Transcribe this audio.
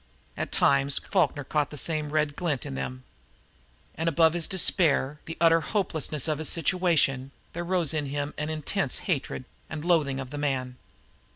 At times Falkner caught the same red glint in them. And above his despair, the utter hopelessness of his situation, there rose in him an intense hatred and loathing of the man.